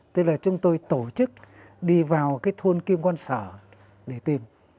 tức là chúng tôi tổ chức đi vào cái thôn kim quân sở để tìm